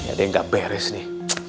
ini ada yang gak beres nih